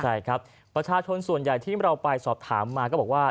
ใช่ครับประชาชนส่วนใหญ่ที่เราไปสอบถามมาก็บอกว่า